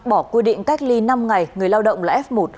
bỏ quy định cách ly năm ngày người lao động là f một